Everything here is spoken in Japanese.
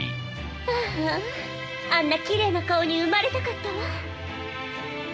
あああんなきれいな顔に生まれたかったわ。